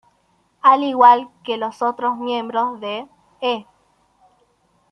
Al igual que los otros miembros de "E".